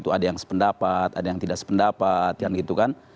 di ruk huap itu ada yang sependapat ada yang tidak sependapat kan gitu kan